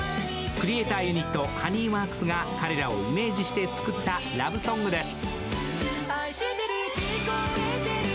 クリエイターユニット、ＨｏｎｅｙＷｏｒｋｓが彼らをイメージして作ったラブソングです。